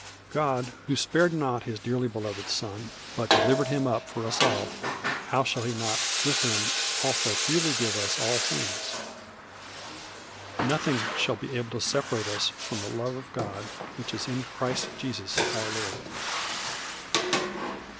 God, who "spared not his dearly beloved Son, but delivered him up for us all, how shall he not with him also freely give us all things?" "Nothing shall be able to separate us from the love of God, which is in Christ Jesus our Lord."